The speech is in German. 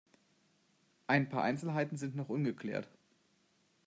Ein paar Einzelheiten sind noch ungeklärt.